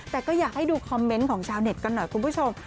แต่ก็อยากให้ดูคอมเมนต์ของชาวเน็ตกันหน่อยคุณผู้ชม